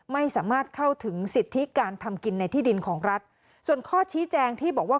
ไม่สามารถเข้าถึงสิทธิการทำกินในที่ดินของรัฐส่วนข้อชี้แจงที่บอกว่า